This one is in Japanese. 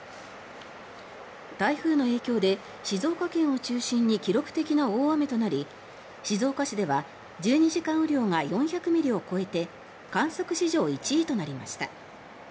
台風の影響で、静岡県を中心に記録的な大雨となり静岡市では１２時間雨量が４００ミリを超えて観測史上１位となりました。